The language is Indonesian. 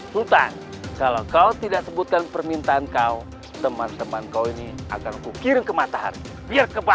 hutan kalau kau tidak sebutkan permintaan kau teman teman kau ini akan kukirim ke matahari biar kepala